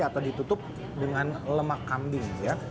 atau ditutup dengan lemak kambing ya